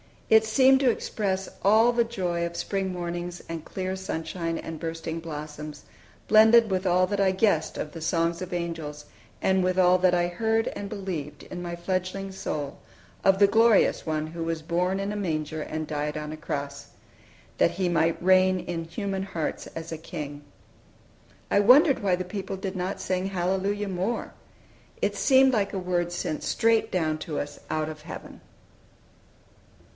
It seemed to express all the joy of spring mornings and clear sunshine and bursting blossoms, blended with all that I guessed of the songs of angels, and with all that I had heard and believed, in my fledgling soul, of the glorious One who was born in a manger and died on a cross, that He might reign in human hearts as a king. I wondered why the people did not sing "Hallelujah" more. It seemed like a word sent straight down to us out of heaven.